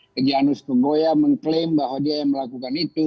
kegianus kegoya mengklaim bahwa dia yang melakukan itu